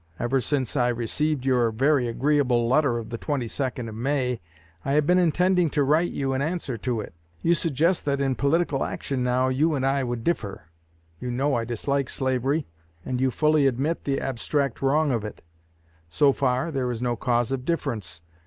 Ever since I received your very agreeable letter of the twenty second of May, I have been intending to write you in answer to it. You suggest that in political action now, you and I would differ. You know I dislike slavery, and you fully admit the abstract wrong of it. So far, there is no cause of difference.